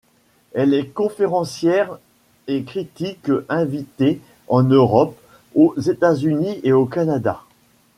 Elle est conférencière et critique invitée en Europe, aux États-Unis et au Canada.